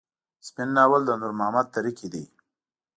سپين ناول د نور محمد تره کي دی.